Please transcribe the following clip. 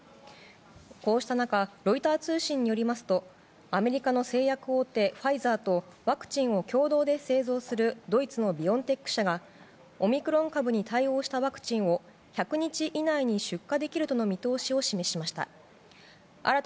こうした中ロイター通信によりますとアメリカの製薬大手ファイザーとワクチンを共同製造するドイツのビヨンテック社がオミクロン株に対応したワクチンを１００日以内に出荷できるとの見通しを示しました。